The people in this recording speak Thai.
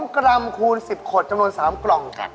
กรัมคูณ๑๐ขดจำนวน๓กล่อง